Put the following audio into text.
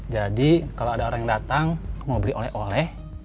jadi kalau ada orang yang datang mau beli oleh oleh